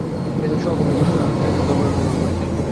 তিনি তাঁর সহকর্মী বসনিয়ানদের ছেলের দরবারে অনুগ্রহ করেছিলেন।